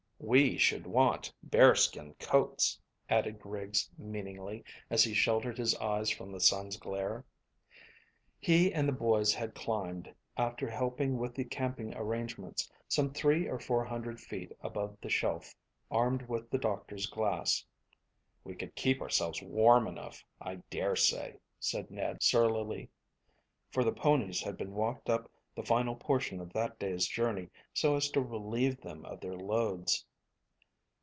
We should want bearskin coats," added Griggs meaningly, as he sheltered his eyes from the sun's glare. He and the boys had climbed, after helping with the camping arrangements, some three or four hundred feet above the shelf, armed with the doctor's glass. "We could keep ourselves warm enough, I dare say," said Ned surlily, for the ponies had been walked up the final portion of that day's journey so as to relieve them of their loads.